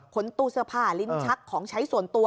ตู้เสื้อผ้าลิ้นชักของใช้ส่วนตัว